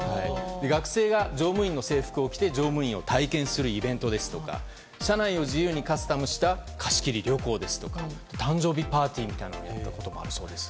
学生が乗務員の制服を着て乗務員を体験するイベントですとか車内を自由にカスタムした貸し切り旅行ですとか誕生日パーティーみたいなものもあるそうです。